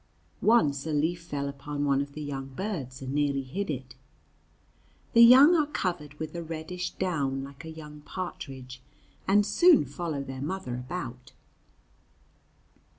Once a leaf fell upon one of the young birds and nearly hid it. The young are covered with a reddish down, like a young partridge, and soon follow their mother about.